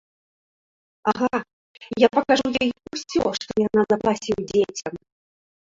Ага, я пакажу ёй усё, што я запасіў дзецям.